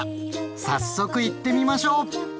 早速いってみましょう！